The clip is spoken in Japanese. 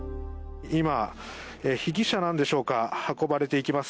今、被疑者なんでしょうか運ばれていきます。